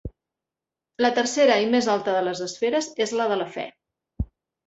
La tercera i més alta de les esferes és la de la fe.